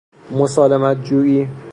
مسالمت جوئی